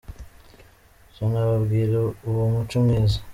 Tunababwire uwo muco mwiza